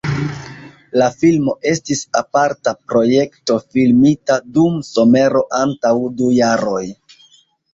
La filmo estis aparta projekto filmita dum somero antaŭ du jaroj.